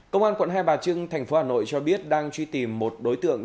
công an quận hai bà trưng thành phố hà nội cho biết đang truy tìm một đối tượng